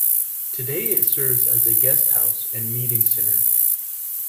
Today it serves as a guesthouse and meeting center.